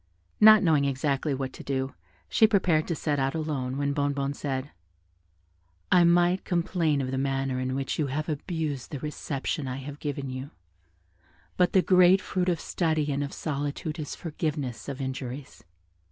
Not knowing exactly what to do, she prepared to set out alone, when Bonnebonne said, "I might complain of the manner in which you have abused the reception I have given you: but the great fruit of study and of solitude is forgiveness of injuries.